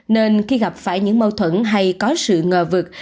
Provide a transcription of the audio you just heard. nên khi gặp phải những mâu thuẫn hay có sự ngờ vực